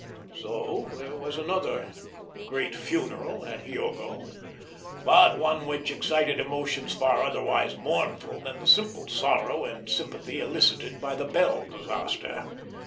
So there was another great funeral at Hiogo, but, one which excited emotions far otherwise mournful than the simple sorrow and sympathy elicited by the Bell disaster.